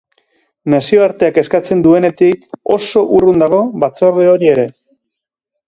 Nazioarteak eskatzen duenetik oso urrun dago batzorde hori ere.